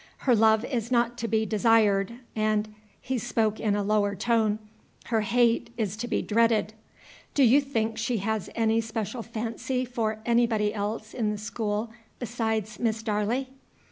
Her love is not to be desired, and " he spoke in a lower tone "her hate is to be dreaded. Do you think she has any special fancy for anybody else in the school besides Miss Darley?"